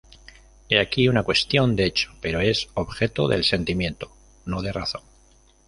He aquí una cuestión de hecho: pero es objeto del sentimiento, no de razón".